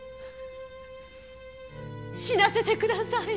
死なせてください。